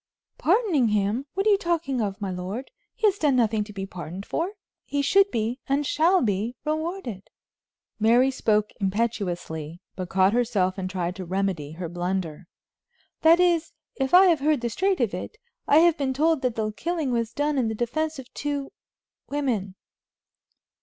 "Pardoning him! What are you talking of, my lord? He has done nothing to be pardoned for. He should be, and shall be, rewarded." Mary spoke impetuously, but caught herself and tried to remedy her blunder. "That is, if I have heard the straight of it. I have been told that the killing was done in the defense of two women."